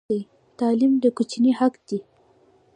تعلیم د کوچني حق دی.